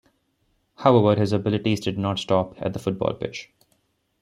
However, his abilities did not stop at the football pitch.